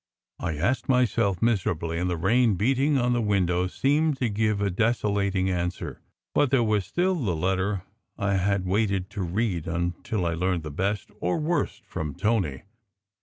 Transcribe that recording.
I asked myself miserably; and the rain beating on the window seemed to give a desolating answer. But there was still the letter I had waited to read until I learned the best or worst from Tony.